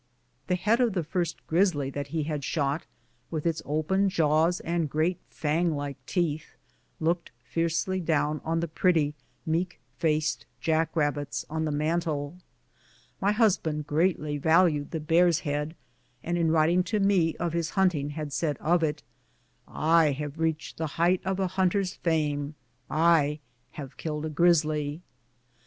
The head of the first grisly that he had shot, with its open jaws and great fang like teeth, looked fiercely down on the pretty, meek faced jack rabbits on the mantel. (My husband greatly valued the bear's head, and in writing to me of his hunting had said of it: "I have reached the height of a hunter's fame — I have killed a grisly.")